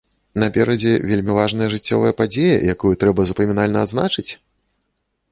Наперадзе вельмі важная жыццёвая падзея, якую трэба запамінальна адзначыць?